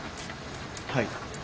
はい。